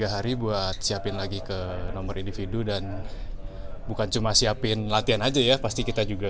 tiga hari buat siapin lagi ke nomor individu dan bukan cuma siapin latihan aja ya pasti kita juga